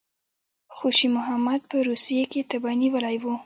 خوشي محمد په روسیې کې تبه نیولی وو.